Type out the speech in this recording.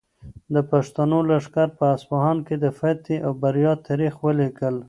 د پښتنو لښکر په اصفهان کې د فتحې او بریا تاریخ ولیکه.